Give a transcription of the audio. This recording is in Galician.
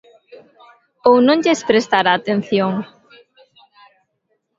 Ou non lles prestara atención?